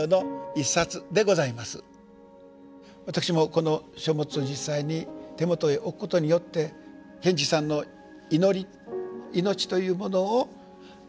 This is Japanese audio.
私もこの書物を実際に手元へ置くことによって賢治さんの祈り命というものを改めて思っています。